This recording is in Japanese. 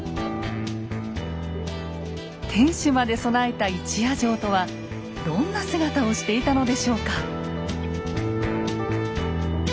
天守まで備えた一夜城とはどんな姿をしていたのでしょうか。